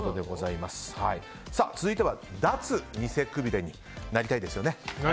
続いては、脱ニセくびれになりたいですよね。